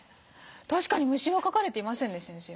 確かに虫は描かれていませんね先生。